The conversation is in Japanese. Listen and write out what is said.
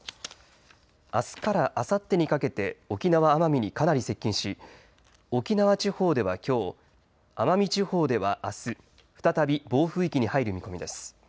あすからあさってにかけて沖縄・奄美にかなり接近し沖縄地方ではきょう、奄美地方ではあす、再び暴風域に入る見込みです。